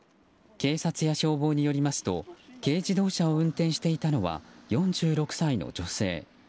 警察や消防によりますと軽自動車を運転していたのは４６歳の女性。